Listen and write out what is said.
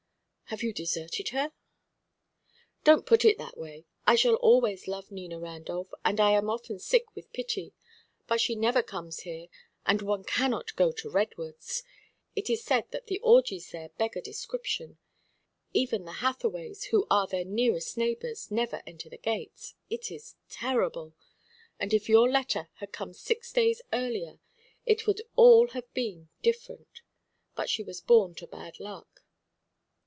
"Have you deserted her?" "Don't put it that way! I shall always love Nina Randolph, and I am often sick with pity. But she never comes here, and one cannot go to Redwoods. It is said that the orgies there beggar description. Even the Hathaways, who are their nearest neighbours, never enter the gates. It is terrible! And if your letter had come six days earlier, it would all have been different. But she was born to bad luck."